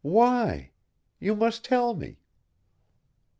"Why? You must tell me."